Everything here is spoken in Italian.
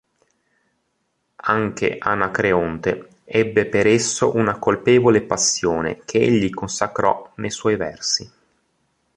Anche Anacreonte ebbe per esso una colpevole passione che egli consacrò ne' suoi versi.